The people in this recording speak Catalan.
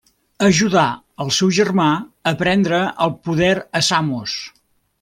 Ajudà el seu germà a prendre el poder a Samos.